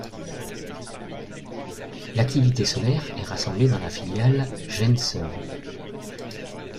L'activité solaire est rassemblée dans la filiale GenSun.